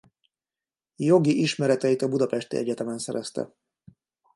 Jogi ismereteit a budapesti egyetemen szerezte.